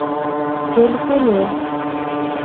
Көлкөлө